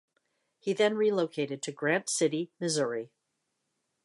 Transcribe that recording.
He then relocated to Grant City, Missouri.